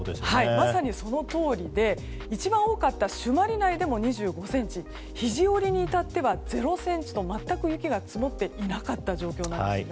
まさに、そのとおりで一番多かった朱鞠内でも２５ｃｍでして肘折にいたっては０ｃｍと全く雪が積もっていなかった状況なんです。